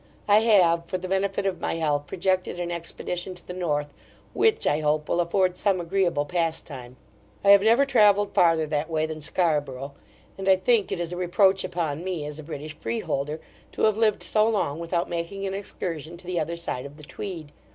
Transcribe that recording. I have, for the benefit of my health, projected an expedition to the North, which, I hope, will afford some agreeable pastime. I have never travelled farther that way than Scarborough; and, I think, it is a reproach upon me, as a British freeholder, to have lived so long without making an excursion to the other side of the Tweed.